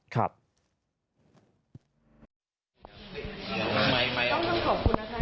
ต้องขอบคุณนะคะ